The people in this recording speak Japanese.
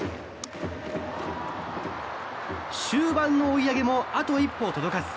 終盤の追い上げもあと一歩届かず。